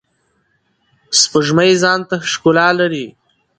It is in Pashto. سپوږمۍ ځانته ښکلا لری.